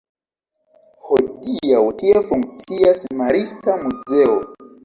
Hodiaŭ tie funkcias marista muzeo.